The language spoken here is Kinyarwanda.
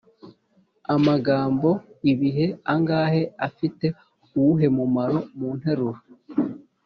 . Amagambo: ibihe, angahe, afite uwuhe mumaro mu nteruro?